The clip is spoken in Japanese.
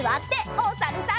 おさるさん。